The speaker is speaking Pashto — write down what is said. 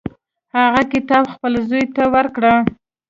هغه کتاب خپل زوی ته ورکړ.